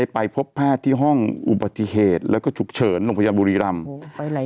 ไปพบแพทย์ที่ห้องอุบัติเหตุแล้วก็ฉุกเฉินโรงพยาบาลบุรีรำ